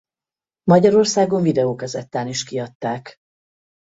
Magyarországon videókazettán is kiadták.